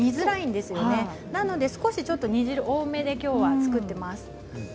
ですのでちょっと煮汁を多めできょうは作っています。